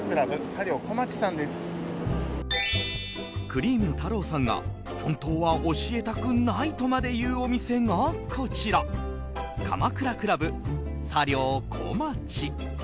クリーム太朗さんが本当は教えたくないとまで言うお店が、こちら鎌倉倶楽部茶寮小町。